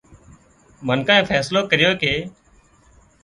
منکانئين فيصلو ڪريو ڪي